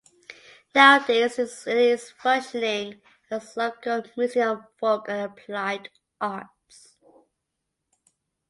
Nowadays it is functioning as local Museum of Folk and Applied Arts.